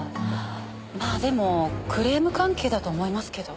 まあでもクレーム関係だと思いますけど。